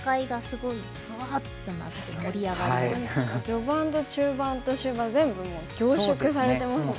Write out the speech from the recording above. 序盤と中盤と終盤全部もう凝縮されてますもんね。